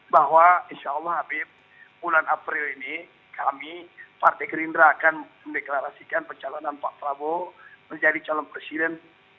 bahwa insya allah habib bulan april ini kami partai gerindra akan mendeklarasikan pencalonan pak prabowo menjadi calon presiden dua ribu dua puluh